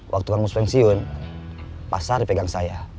waktu kang mus pensiun pasar dipegang saya